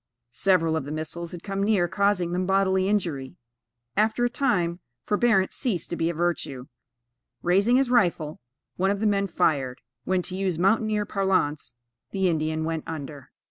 Several of the missiles had come near causing them bodily injury. After a time, forbearance ceased to be a virtue. Raising his rifle, one of the men fired; when, to use mountaineer parlance, the Indian "went under."